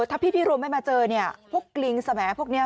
ถ้าพี่พิรมไม่มาเจอเนี่ยพวกลิงแสมพวกนี้